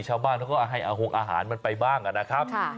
ชาวบ้านเขาก็ให้อาหงอาหารมันไปบ้างนะครับ